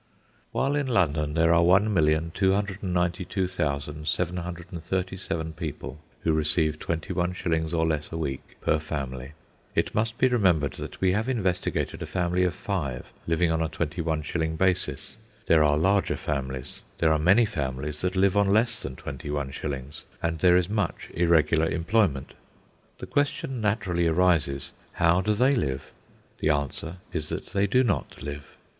While in London there are 1,292,737 people who receive twenty one shillings or less a week per family, it must be remembered that we have investigated a family of five living on a twenty one shilling basis. There are larger families, there are many families that live on less than twenty one shillings, and there is much irregular employment. The question naturally arises, How do they live? The answer is that they do not live.